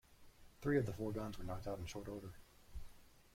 Three of the four guns were knocked out in short order.